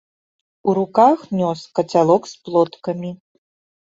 У руках нёс кацялок з плоткамі.